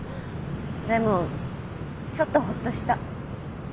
でもちょっとほっとした。